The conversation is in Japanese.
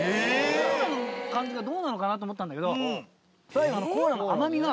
コーラの感じがどうなのかなと思ったんだけど最後えっ？